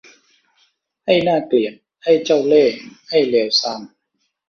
ไอ้น่าเกลียด ไอ้เจ้าเล่ห์ ไอ้เลวทราม !